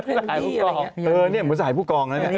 เออนี่เหมือนสหายผู้กอง